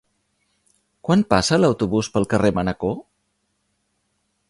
Quan passa l'autobús pel carrer Manacor?